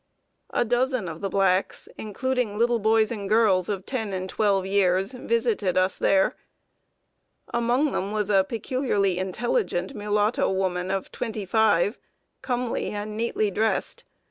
A dozen of the blacks including little boys and girls of ten and twelve years visited us there. Among them was a peculiarly intelligent mulatto woman of twenty five, comely, and neatly dressed.